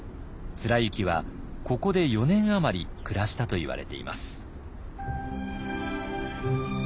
貫之はここで４年余り暮らしたといわれています。